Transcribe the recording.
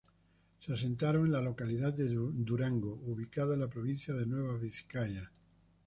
Se asentaron en la localidad de Durango, ubicada en la provincia de Nueva Vizcaya.